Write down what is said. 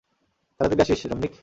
তাড়াতাড়ি আসিস, রামনিক।